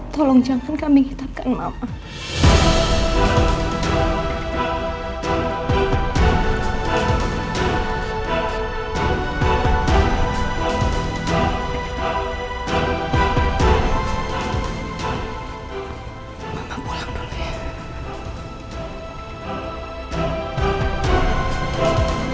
tolong jangan kami hitapkan mama